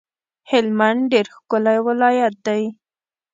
هلمند ډیر ښکلی ولایت دی